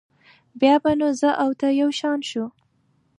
بیا به نو زه او ته یو شان شو.